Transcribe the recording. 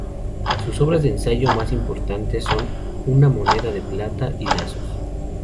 Sus obras de ensayo más importantes son "Una moneda de plata" y "Lazos".